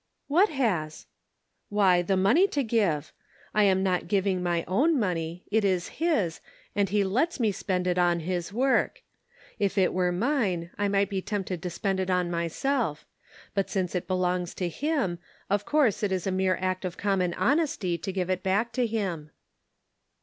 "What has?" " Why, the money to give. I am not giving my own money ; it is His, and he lets me spend it on his work. If it were mine I might be tempted to spend it on myself; but since it belongs to him, of course it is a mere act of common honesty to give it back to him."